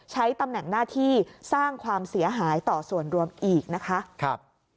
ใช้ตำแหน่งหน้าที่สร้างความเสียหายต่อส่วนรวมอีกนะคะ